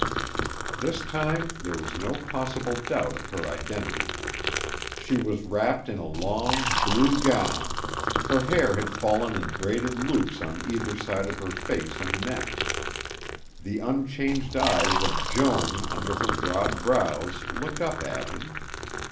This time there was no possible doubt of her identity. She was wrapped in a long, blue gown, her hair had fallen in braided loops on either side of her face and neck. The unchanged eyes of Joan under her broad brows looked up at him.